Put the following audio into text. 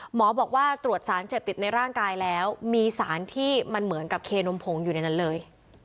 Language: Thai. หมอบอกว่าตรวจสารเสพติดในร่างกายแล้วมีสารที่มันเหมือนกับเคนมผงอยู่ในนั้นเลย